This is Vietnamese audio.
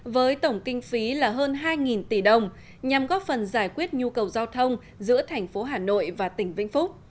với tổng kinh phí là hơn hai tỷ đồng nhằm góp phần giải quyết nhu cầu giao thông giữa thành phố hà nội và tỉnh vĩnh phúc